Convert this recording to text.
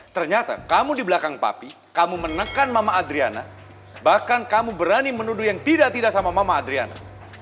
ternyata kamu di belakang papi kamu menekan mama adriana bahkan kamu berani menuduh yang tidak tidak sama mama adriana